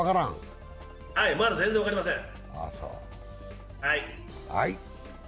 まだ全然分かりません。